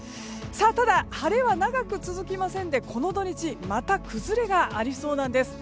ただ、晴れは長く続きませんでこの土日、また崩れがありそうなんです。